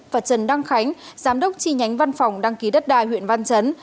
và trần đăng khánh giám đốc chi nhánh văn phòng đăng ký đất đai huyện văn chấn